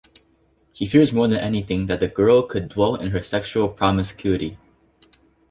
He fears more than anything that the girl could dwell in her sexual promiscuity.